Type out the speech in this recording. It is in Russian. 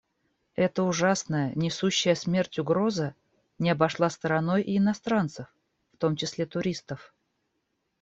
Эта ужасная, несущая смерть угроза не обошла стороной и иностранцев, в том числе туристов.